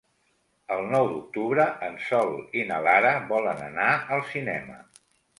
El nou d'octubre en Sol i na Lara volen anar al cinema.